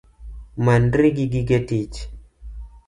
Manri gi gige tich